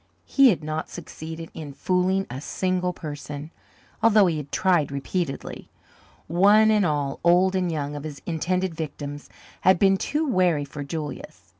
He had not succeeded in "fooling" a single person, although he had tried repeatedly. One and all, old and young, of his intended victims had been too wary for Julius.